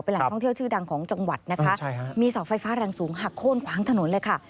แหล่งท่องเที่ยวชื่อดังของจังหวัดนะคะมีเสาไฟฟ้าแรงสูงหักโค้นขวางถนนเลยค่ะ